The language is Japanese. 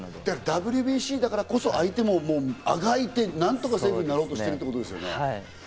ＷＢＣだからこそ相手もあがいて、何とかセーフになろうとしてるってことですね。